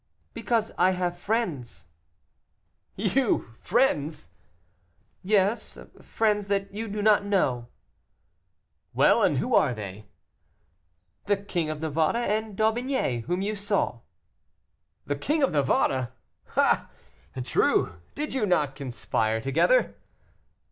"Because I have friends." "You! friends!" "Yes, friends that you do not know." "Well, and who are they?" "The King of Navarre and D'Aubigné, whom you saw." "The King of Navarre! Ah! true, did you not conspire together?"